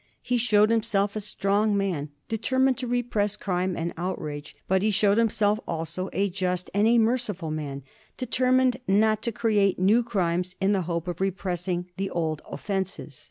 He showed himself a strong man, determined to repress crime and outrage, but he showed himself also a just and a merciful man, determined not to create new crimes in the hope of repressing the old offences.